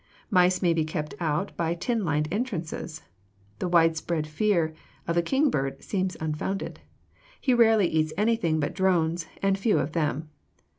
Mice may be kept out by tin lined entrances. The widespread fear of the kingbird seems unfounded. He rarely eats anything but drones, and few of them.